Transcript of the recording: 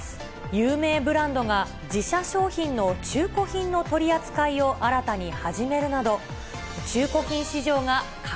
有名ブランドが、自社商品の中古品の取り扱いを新たに始めるなど、中古品市場が拡